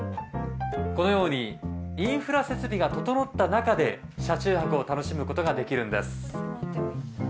このようにインフラ設備が整った中で車中泊を楽しむことができるんです。